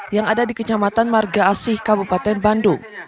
yang ada di kecamatan marga asih kabupaten bandung